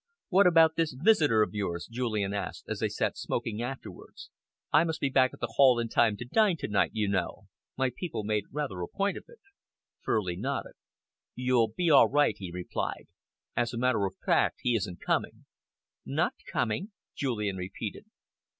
"What about this visitor of yours?" Julian asked, as they sat smoking afterwards. "I must be back at the Hall in time to dine to night, you know. My people made rather a point of it." Furley nodded. "You'll be all right," he replied. "As a matter of fact, he isn't coming." "Not coming?" Julian repeated.